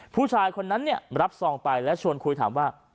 ผู้ชายคนนั้นรับซองไปและชวนคุยถามว่า